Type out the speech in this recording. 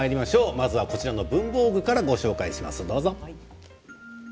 まずはこちらの文房具からご紹介します。